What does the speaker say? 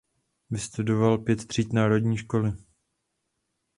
Vystudoval pět tříd národní školy.